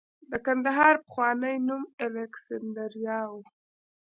د کندهار پخوانی نوم الکسندریا و